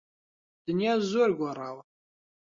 دنیا زۆر گۆڕاوە.